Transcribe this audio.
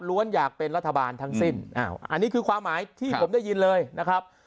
อยากเป็นรัฐบาลทั้งสิ้นอันนี้คือความหมายที่ผมได้ยินเลยนะครับ